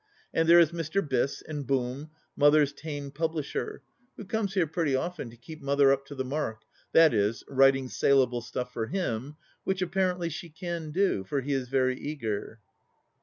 And there is Mr. Biss (and Boom) Mother's tame publisher, who comes here pretty often to keep Mother up to the mark, i.e. writing saleable stuff for him, which apparently she can do, for he is very eager.